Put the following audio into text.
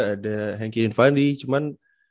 ada henkie dinfandi cuman